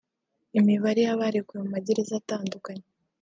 Imibare y’abarekuwe mu ma gereza atandukanye